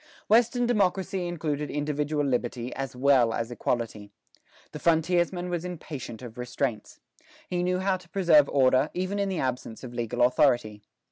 Western democracy included individual liberty, as well as equality. The frontiersman was impatient of restraints. He knew how to preserve order, even in the absence of legal authority.